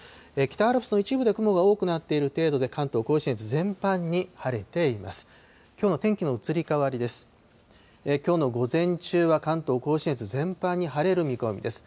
北アルプスの一部で雲が多くなっている程度で関東甲信越全般に晴れています。